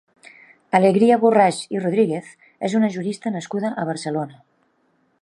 Alegría Borrás i Rodríguez és una jurista nascuda a Barcelona.